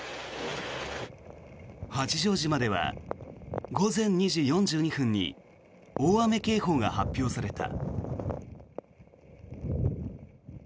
八丈島では午前２時４２分に大雨警報が発表された。